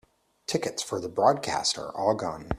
Tickets for the broadcast are all gone.